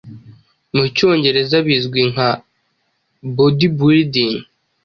mu cyongereza bizwi nka 'Bodybuilding'